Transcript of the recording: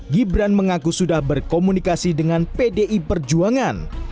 gibran mengaku sudah berkomunikasi dengan pdi perjuangan